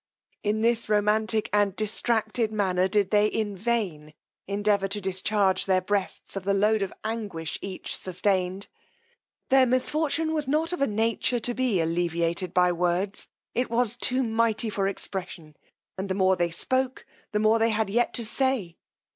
In this romantic and distracted manner did they in vain endeavour to discharge their breasts of the load of anguish each sustained. Their misfortune was not of a nature to be alleviated by words; it was too mighty for expression; and the more they spoke, the more they had yet to say.